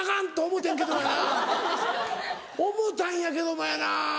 思うたんやけどもやな。